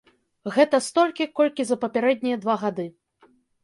Гэта столькі, колькі за папярэднія два гады.